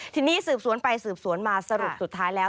ทีนี้สืบสวนไปสืบสวนมาสรุปสุดท้ายแล้ว